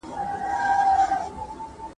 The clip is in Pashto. چي په ښکار وو د مرغانو راوتلی !.